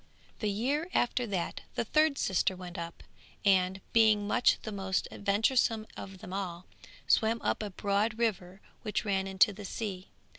The year after that the third sister went up, and, being much the most venturesome of them all, swam up a broad river which ran into the sea.